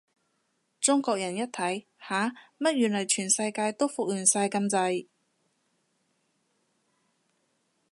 中國人一睇，吓？乜原來全世界都復原晒咁滯？